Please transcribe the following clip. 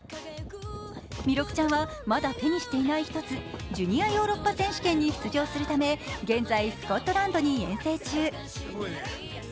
弥勒ちゃんはまだ手にしていない１つ、ジュニアヨーロッパ選手権に出場するため現在、スコットランドに遠征中。